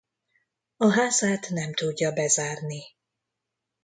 A házát nem tudja bezárni.